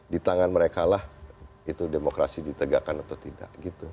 di tangan mereka lah itu demokrasi ditegakkan atau tidak